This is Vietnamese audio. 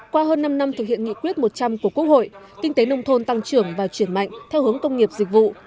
qua hơn năm năm thực hiện nghị quyết một trăm linh của quốc hội kinh tế nông thôn tăng trưởng và chuyển mạnh theo hướng công nghiệp dịch vụ